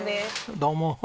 どうも。